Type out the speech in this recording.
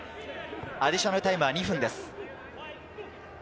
アディショナルタイムは２分です。